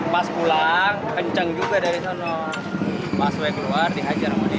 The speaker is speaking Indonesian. pas keluar dihajar sama dia